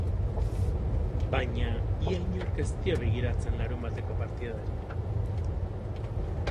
Baina ia inork ez dio begiratzen larunbateko partidari.